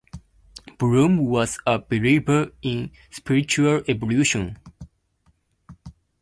Broom was a believer in spiritual evolution.